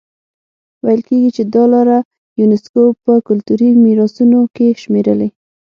ویل کېږي چې دا لاره یونیسکو په کلتوري میراثونو کې شمېرلي.